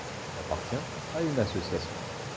Il appartient à une association.